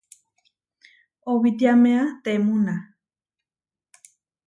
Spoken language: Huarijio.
Owitíamea temúna.